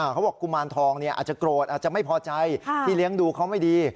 กุมารทองอาจจะโกรธอาจจะไม่พอใจที่เลี้ยงดูเขาไม่ดี